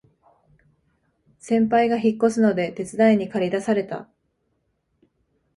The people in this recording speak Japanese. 先輩が引っ越すので手伝いにかり出された